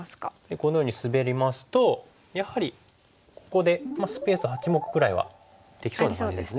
このようにスベりますとやはりここでスペース８目ぐらいはできそうな感じですね。